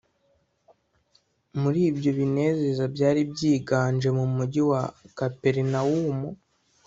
muri ibyo binezaneza byari byiganje mu mugi wa kaperinawumu,